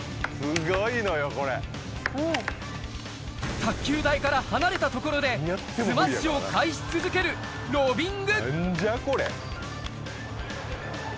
卓球台から離れたところでスマッシュを返し続けるロビング。